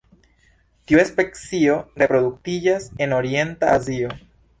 Tiu specio reproduktiĝas en orienta Azio.